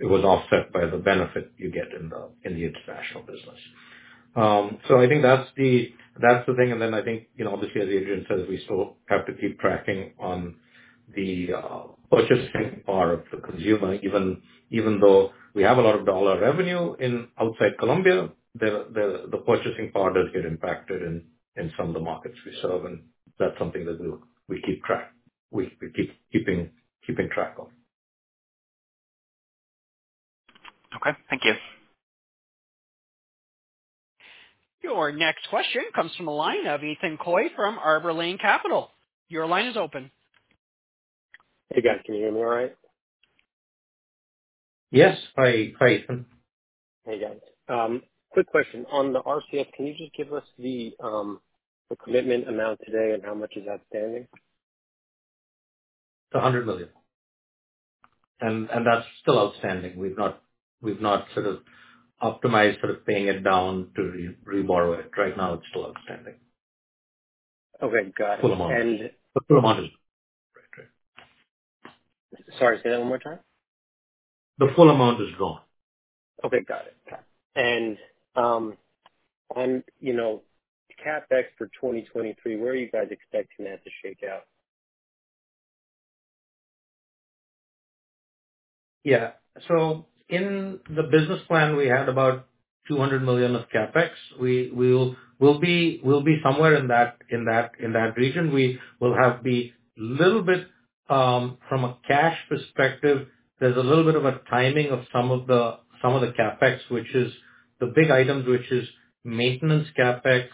It was offset by the benefit you get in the international business. I think that's the, that's the thing. I think, you know, obviously, as Adrian said, we still have to keep tracking on the purchasing power of the consumer. Even though we have a lot of dollar revenue outside Colombia, the purchasing power does get impacted in some of the markets we serve, and that's something that we keep track. We keep keeping track of. Okay. Thank you. Your next question comes from the line of Ethan Coy from Arbour Lane Capital. Your line is open. Hey, guys. Can you hear me all right? Yes. Hi, hi, Ethan. Hey, guys. quick question. On the RCF, can you just give us the commitment amount today and how much is outstanding? $100 million. That's still outstanding. We've not sort of optimized sort of paying it down to reborrow it. Right now, it's still outstanding. Okay. Got it. Full amount. And- The full amount is gone. Right. Right. Sorry, say that one more time. The full amount is gone. Okay. Got it. Got it. On, you know, CapEx for 2023, where are you guys expecting that to shake out? In the business plan we had about $200 million of CapEx. We'll be somewhere in that region. We will have the little bit from a cash perspective, there's a little bit of a timing of some of the CapEx, which is the big items, which is maintenance CapEx,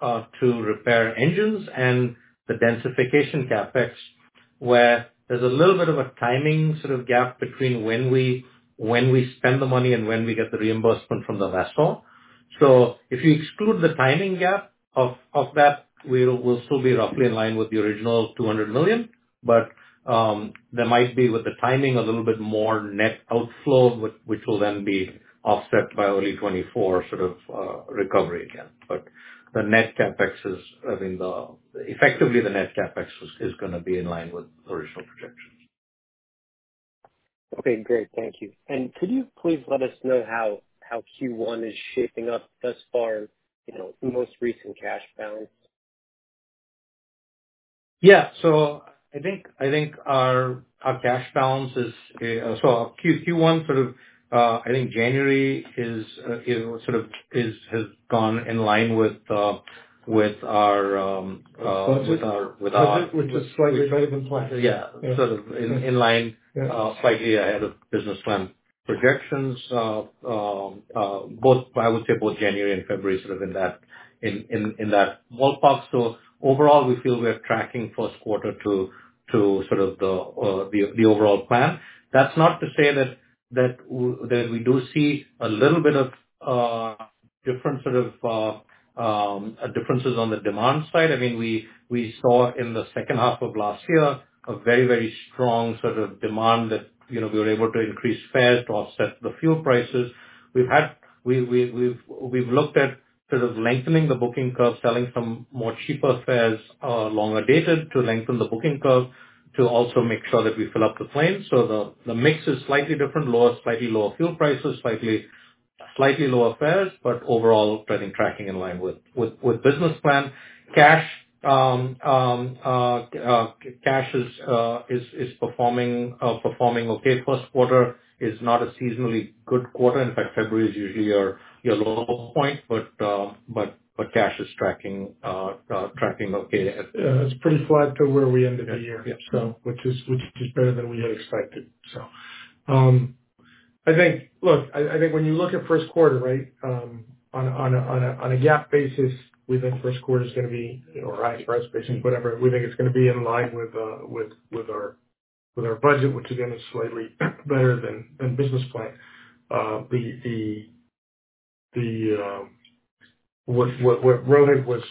to repair engines and the densification CapEx. Where there's a little bit of a timing sort of gap between when we spend the money and when we get the reimbursement from the lessor. If you exclude the timing gap of that, we'll still be roughly in line with the original $200 million. There might be, with the timing, a little bit more net outflow which will then be offset by early 2024 sort of recovery again. The net CapEx is, I mean, Effectively the net CapEx is gonna be in line with the original projections. Okay, great. Thank you. Could you please let us know how Q1 is shaping up thus far, you know, most recent cash balance? I think our cash balance is, so Q1 sort of, I think January is sort of is, has gone in line with our. Budget. -with our- Budget, which is slightly better than planned. Sort of in line, slightly ahead of business plan projections. I would say both January and February sort of in that ballpark. Overall, we feel we are tracking first quarter to sort of the overall plan. That's not to say that we do see a little bit of different sort of differences on the demand side. I mean, we saw in the second half of last year a very, very strong sort of demand that, you know, we were able to increase fares to offset the fuel prices. We've looked at sort of lengthening the booking curve, selling some more cheaper fares, longer dated to lengthen the booking curve to also make sure that we fill up the planes. The mix is slightly different. Lower, slightly lower fuel prices, slightly lower fares, overall trending tracking in line with business plan. Cash is performing okay. First quarter is not a seasonally good quarter. In fact, February is usually your low point. Cash is tracking okay. Yeah. It's pretty flat to where we ended the year. Yeah. Yeah. Which is better than we had expected. I think when you look at first quarter, on a GAAP basis, we think first quarter is gonna be, or ICE basis, whatever, we think it's gonna be in line with our budget, which again, is slightly better than business plan. The what Rohit was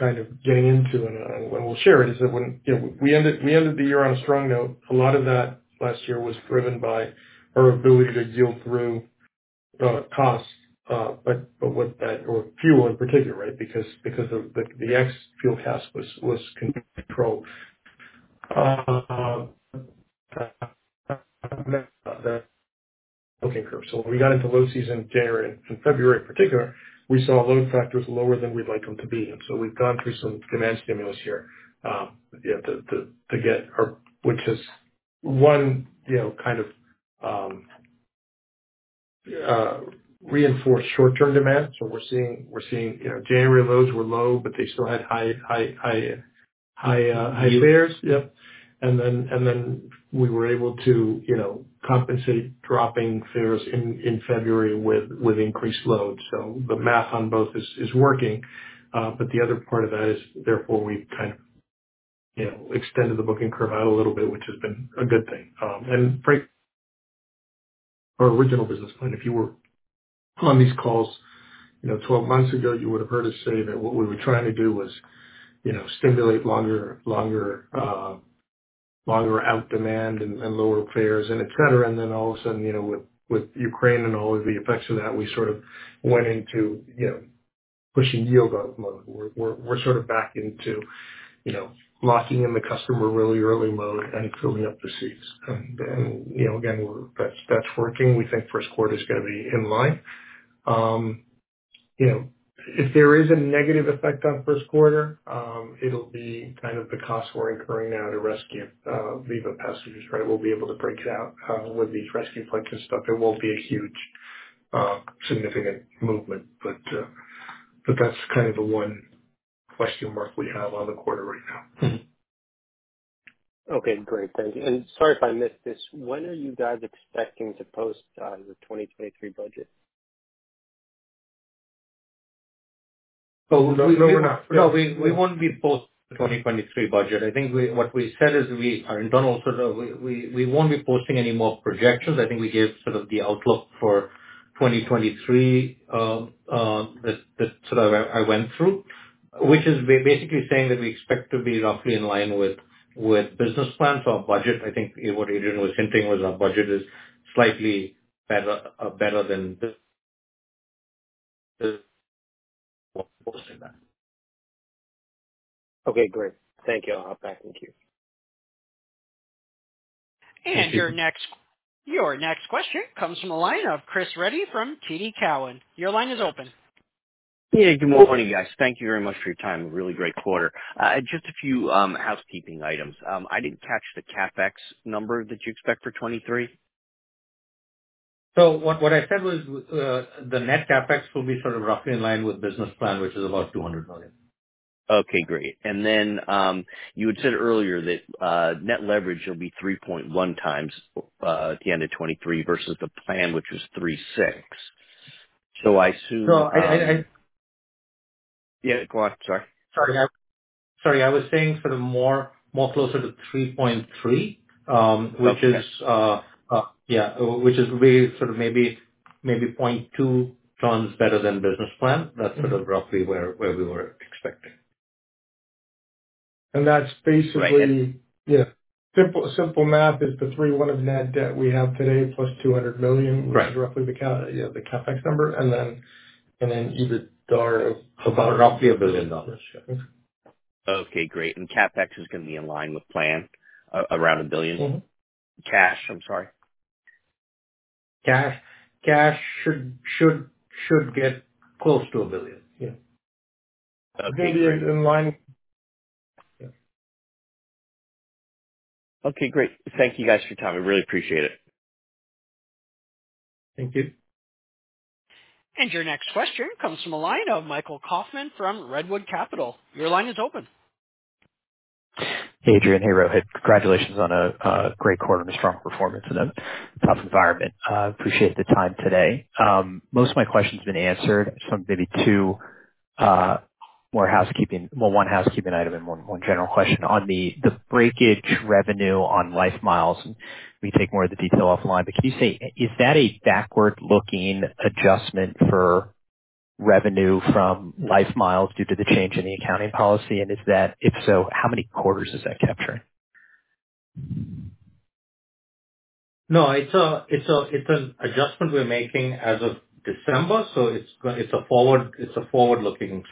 kind of getting into, and we'll share it, is that when we ended the year on a strong note. A lot of that last year was driven by our ability to deal through costs, but with that or fuel in particular. Because the ex-fuel task was controlled. The booking curve. When we got into low season, January and February in particular, we saw load factors lower than we'd like them to be. We've gone through some demand stimulus here, yeah, which is one, you know, kind of reinforced short-term demand. We're seeing, you know, January loads were low, but they still had high fares. Yep. Then we were able to, you know, compensate dropping fares in February with increased loads. The math on both is working. But the other part of that is, therefore, we've kind of, you know, extended the booking curve out a little bit, which has been a good thing. For our original business plan, if you were on these calls, you know, 12 months ago, you would have heard us say that what we were trying to do was, you know, stimulate longer out demand and lower fares and et cetera. All of a sudden, you know, with Ukraine and all of the effects of that, we sort of went into, you know, pushing yield mode. We're sort of back into, you know, locking in the customer really early mode and filling up the seats. Again, that's working. We think first quarter is gonna be in line. If there is a negative effect on first quarter, it'll be kind of the costs we're incurring now to rescue leave of passengers, right? We'll be able to break it out with these rescue flights and stuff. There won't be a huge significant movement, but that's kind of the one question mark we have on the quarter right now. Okay, great. Thank you. Sorry if I missed this. When are you guys expecting to post the 2023 budget? So we- No, we're not. No, we won't be post 2023 budget. I think what we said is we are in total sort of we won't be posting any more projections. I think we gave sort of the outlook for 2023 that sort of I went through, which is basically saying that we expect to be roughly in line with business plans. Our budget, I think what Adrian was hinting was our budget is slightly better than this. We're posting that. Okay, great. Thank you. I'll hop back. Thank you. Thank you. Your next question comes from the line of Chris Reddy from TD Cowen. Your line is open. Good morning, guys. Thank you very much for your time. Really great quarter. Just a few housekeeping items. I didn't catch the CapEx number that you expect for 2023. What I said was, the net CapEx will be sort of roughly in line with business plan, which is about $200 million. Okay, great. You had said earlier that net leverage will be 3.1x at the end of 2023 versus the plan, which was 3.6x. I assume. No, I. Yeah, go on. Sorry. Sorry. I was saying sort of more closer to 3.3. Okay. Which is, yeah. Which is really sort of maybe 0.2 tons better than business plan. Mm-hmm. That's sort of roughly where we were expecting. That's. Right. Yeah. Simple, simple math is the three one of net debt we have today plus $200 million. Right. Which is roughly the CapEx, yeah, the CapEx number. About roughly $1 billion. Yeah. Okay, great. CapEx is going to be in line with plan around $1 billion? Mm-hmm. Cash, I'm sorry. Cash should get close to $1 billion. Yeah. Okay, great. Maybe it's in line. Yeah. Okay, great. Thank you guys for your time. I really appreciate it. Thank you. Your next question comes from the line of Michael Kaufman from Redwood Capital. Your line is open. Hey, Adrian. Hey, Rohit. Congratulations on a great quarter and a strong performance in a tough environment. Appreciate the time today. Most of my questions have been answered, so maybe two more housekeeping. Well, one housekeeping item and one general question. On the breakage revenue on LifeMiles, we can take more of the detail offline, but can you say, is that a backward-looking adjustment for revenue from LifeMiles due to the change in the accounting policy? If so, how many quarters is that capturing? No, it's an adjustment we're making as of December. It's a forward, it's a forward-looking,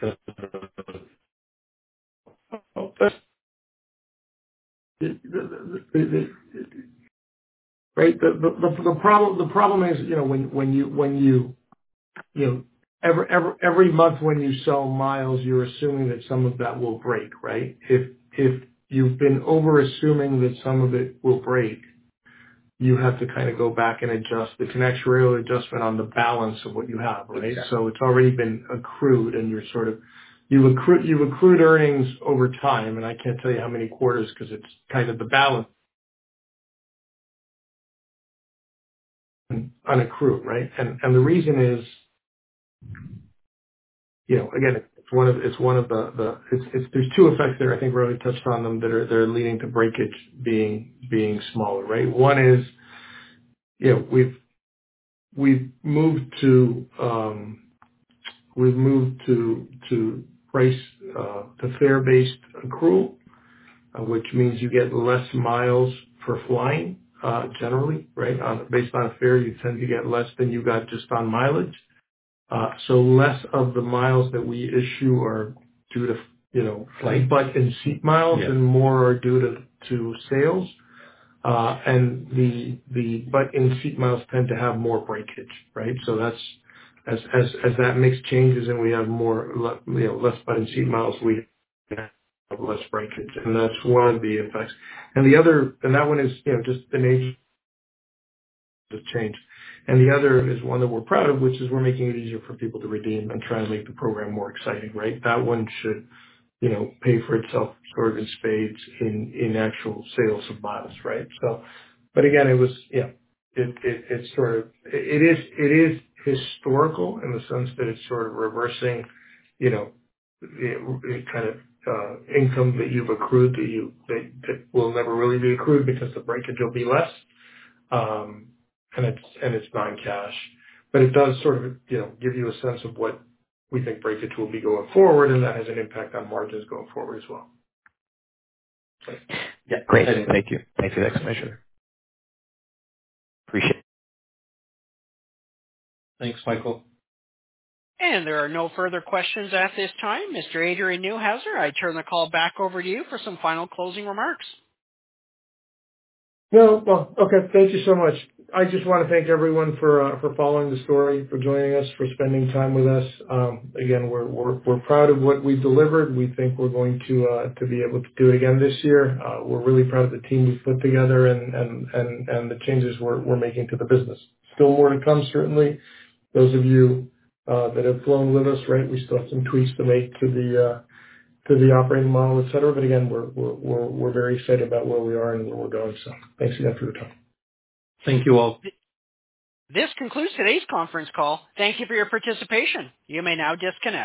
right? The problem is, you know, when you know, every month when you sell miles, you're assuming that some of that will break, right? If you've been over assuming that some of it will break, you have to kind of go back and adjust. It's an actuarial adjustment on the balance of what you have, right? Okay. It's already been accrued, you're sort of. You accrue earnings over time, and I can't tell you how many quarters because it's kind of the balance on accrue, right? The reason is, you know, again, it's one of, it's one of the. There's two effects there, I think Rohit touched on them, that are leading to breakage being smaller, right? One is, you know, we've moved to price the fare-based accrual, which means you get less miles for flying generally, right? Based on fare, you tend to get less than you got just on mileage. Less of the miles that we issue are due to, you know. Right. butt and seat miles Yeah. more are due to sales. The butt and seat miles tend to have more breakage, right? That's, as that makes changes and we have more, you know, less butt and seat miles, we have less breakage. That's one of the effects. That one is, you know, just the nature of change. The other is one that we're proud of, which is we're making it easier for people to redeem and trying to make the program more exciting, right? That one should, you know, pay for itself sort of in spades in actual sales of miles, right? Again, it was, it sort of... It is historical in the sense that it's sort of reversing, you know, the kind of income that you've accrued that will never really be accrued because the breakage will be less. And it's non-cash. It does sort of, you know, give you a sense of what we think breakage will be going forward, and that has an impact on margins going forward as well. Yeah. Great. Thank you. Thanks for the explanation. Appreciate it. Thanks, Michael. There are no further questions at this time. Mr. Adrian Neuhauser, I turn the call back over to you for some final closing remarks. Well, okay. Thank you so much. I just wanna thank everyone for following the story, for joining us, for spending time with us. Again, we're proud of what we've delivered. We think we're going to be able to do it again this year. We're really proud of the team we've put together and the changes we're making to the business. Still more to come, certainly. Those of you that have flown with us, right, we still have some tweaks to make to the operating model, et cetera. Again, we're very excited about where we are and where we're going. Thanks again for your time. Thank you, all. This concludes today's conference call. Thank you for your participation. You may now disconnect.